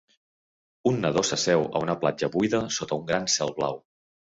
Un nadó s'asseu a una platja buida sota un gran cel blau.